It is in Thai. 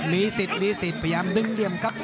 มีสิทธิ์มีสิทธิ์พยายามดึงเหลี่ยมครับ